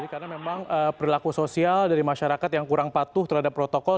karena memang perilaku sosial dari masyarakat yang kurang patuh terhadap protokol